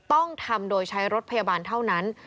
ต้องทำโดยใช้รถพยาบาลเท่านั้น